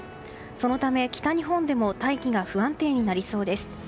そのため、北日本でも大気が不安定になりそうです。